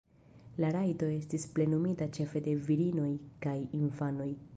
La rajto estis plenumita ĉefe de virinoj kaj infanoj.